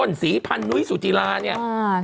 อ้นสีพรรณหนุ้ยสุจีราเนี่ยอ่า